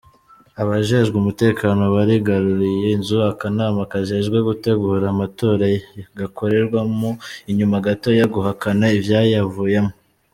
Abajejwe umutekano barigaruriye inzu akanama kajejwe gutegura amatora gakoreramwo inyuma gato yo guhakana ivyayavuyemwo.